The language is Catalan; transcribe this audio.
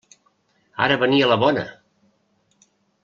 Ara venia la bona!